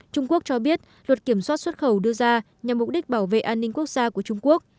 trung quốc cho biết luật kiểm soát xuất khẩu đưa ra nhằm mục đích bảo vệ an ninh quốc gia của trung quốc